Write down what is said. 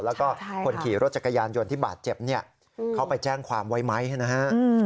แล้วก็คนขี่รถจักรยานยนต์ที่บาดเจ็บเนี่ยเขาไปแจ้งความไว้ไหมนะฮะ